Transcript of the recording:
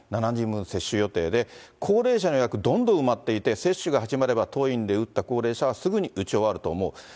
７人分接種予定で、高齢者の予約、どんどん埋まっていて、接種が始まれば、当院で打った高齢者はすぐに打ち終わると思う。